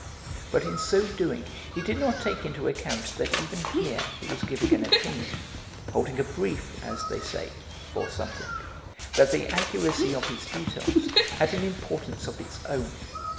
But in so doing he did not take into account that even here he was giving an opinion, holding a brief (as they say) for something, that the accuracy of his details had an importance of its own.